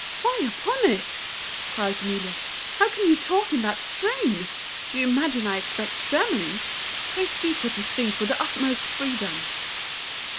"Fie upon it!" cries Amelia; "how can you talk in that strain? Do you imagine I expect ceremony? Pray speak what you think with the utmost freedom."